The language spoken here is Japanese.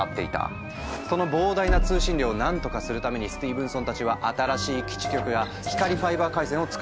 その膨大な通信量をなんとかするためにスティーブンソンたちは新しい基地局や光ファイバー回線を作った。